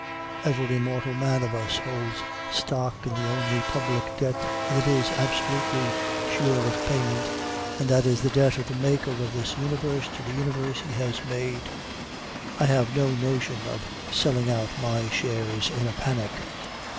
Every mortal man of us holds stock in the only public debt that is absolutely sure of payment, and that is the debt of the Maker of this Universe to the Universe he has made. I have no notion of selling out my shares in a panic.